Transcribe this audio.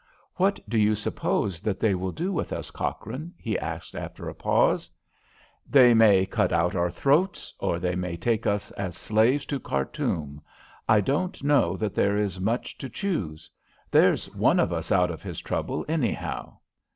"What do you suppose that they will do with us, Cochrane," he asked after a pause. "They may cut our throats, or they may take us as slaves to Khartoum. I don't know that there is much to choose. There's one of us out of his troubles, anyhow."